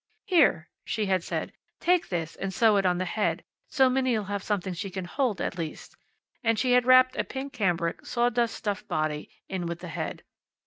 "Here," she had said, "take this, and sew it on the head, so Minnie'll have something she can hold, at least." And she had wrapped a pink cambric, sawdust stuffed body in with the head.